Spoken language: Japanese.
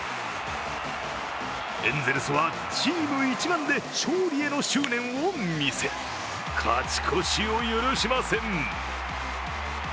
エンゼルスはチーム一丸で勝利への執念を見せ、勝ち越しを許しません。